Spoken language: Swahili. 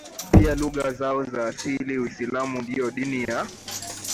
pia lugha zao za asili Uislamu ndio dini ya